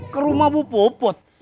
ke rumah bu puput